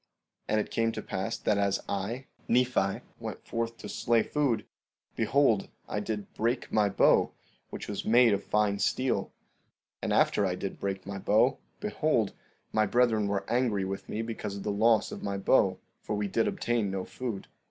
16:18 And it came to pass that as I, Nephi, went forth to slay food, behold, I did break my bow, which was made of fine steel; and after I did break my bow, behold, my brethren were angry with me because of the loss of my bow, for we did obtain no food.